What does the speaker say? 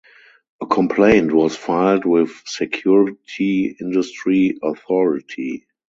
A complaint was filed with Security Industry Authority.